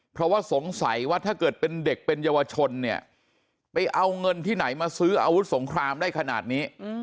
เพราะว่าสงสัยว่าถ้าเกิดเป็นเด็กเป็นเยาวชนเนี่ยไปเอาเงินที่ไหนมาซื้ออาวุธสงครามได้ขนาดนี้